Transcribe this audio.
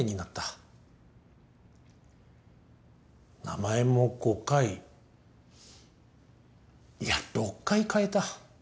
名前も５回いや６回変えた。